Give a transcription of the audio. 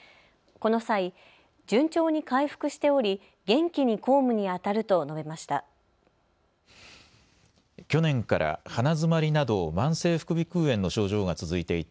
この際、順調に回復しており元気に公務にあたると述べました。